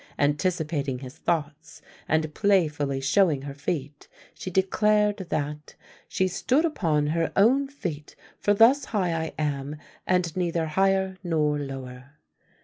Anticipating his thoughts, and playfully showing her feet, she declared, that "she stood upon her own feet, for thus high I am, and neither higher nor lower."